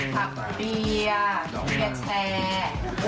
คักเบียร์แชร์แชร์